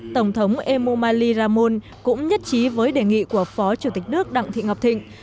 tổng thống emumali ramon cũng nhất trí với đề nghị của phó chủ tịch nước đặng thị ngọc thịnh